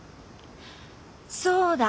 そうだ。